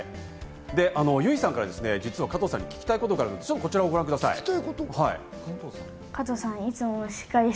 由依さんから実は加藤さんに聞きたいことがあるということで、こちらをご覧ください。